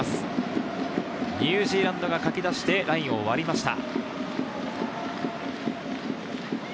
ニュージーランドがかき出して、ラインを割りました。